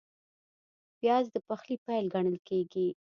پیاز د پخلي پیل ګڼل کېږي